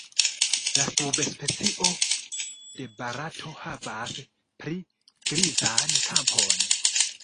La subspecio de Barato havas pli grizan kapon.